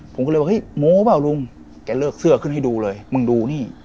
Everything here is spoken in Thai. ผมก็เลยบอกเฮ้ยโม้เปล่าลุงแกเลิกเสื้อขึ้นให้ดูเลยมึงดูนี่